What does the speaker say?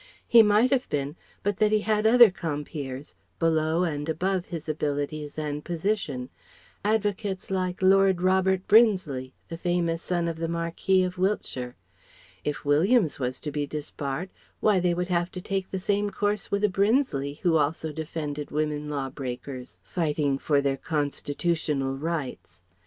He might have been, but that he had other compeers, below and above his abilities and position; advocates like Lord Robert Brinsley, the famous son of the Marquis of Wiltshire. If Williams was to be disbarred, why they would have to take the same course with a Brinsley who also defended women law breakers, fighting for their constitutional rights.